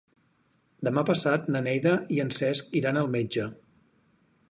Demà passat na Neida i en Cesc iran al metge.